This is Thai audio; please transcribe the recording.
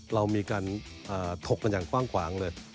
เรามีการถกกันอย่างกว้างขวางเลย